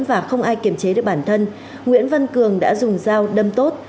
và không ai kiểm chế được bản thân nguyễn văn cường đã dùng dao đâm tốt